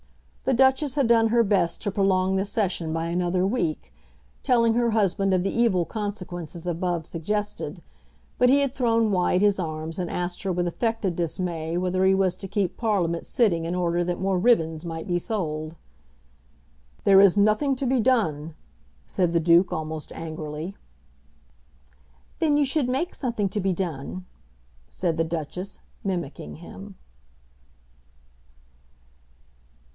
The Duchess had done her best to prolong the Session by another week, telling her husband of the evil consequences above suggested, but he had thrown wide his arms and asked her with affected dismay whether he was to keep Parliament sitting in order that more ribbons might be sold! "There is nothing to be done," said the Duke almost angrily. "Then you should make something to be done," said the Duchess, mimicking him.